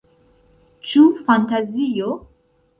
Ĉu fantazio?